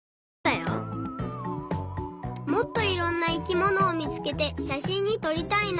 もっといろんな生きものをみつけてしゃしんにとりたいな。